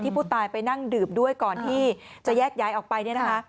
ผู้ตายไปนั่งดื่มด้วยก่อนที่จะแยกย้ายออกไปเนี่ยนะคะ